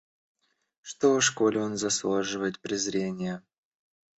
Что ж, коли он заслуживает презрения!